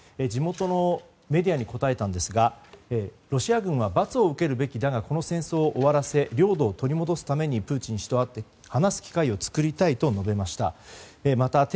地元のメディアに答えたんですがロシア軍は罰を受けるべきだがこの戦争を終わらせ領土を取り戻すためにプーチン氏と会って話す機会を作りたいと述べました。